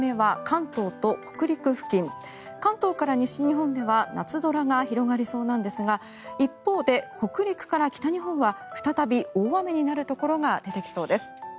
関東から西日本では夏空が広がりそうなんですが一方で、北陸から北日本は再び大雨になるところが出てきそうです。